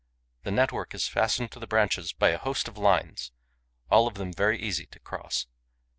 The network is fastened to the branches by a host of lines, all of them very easy to cross.